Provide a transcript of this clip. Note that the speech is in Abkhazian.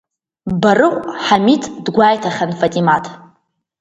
Барыҟә Ҳамиҭ дгәаиҭахьан Фатимаҭ.